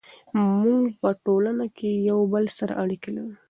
موږ په ټولنه کې یو بل سره اړیکې لرو.